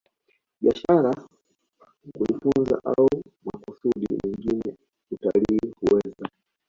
biashara kujifunza au makusudi mengine Utalii huweza